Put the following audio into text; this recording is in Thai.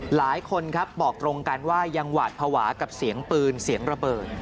หลายคนครับบอกตรงกันว่ายังหวาดภาวะกับเสียงปืนเสียงระเบิด